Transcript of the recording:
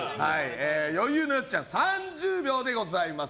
余裕のよっちゃん３０秒でございます。